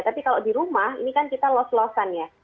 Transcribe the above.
tapi kalau di rumah ini kan kita los losan ya